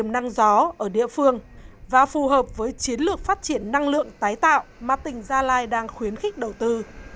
năng gió ở địa phương và phù hợp với chiến lược phát triển năng lượng tái tạo mà tỉnh gia lai đang khuyến khích đầu tư